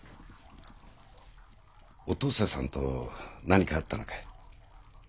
お登世さんと何かあったのかい？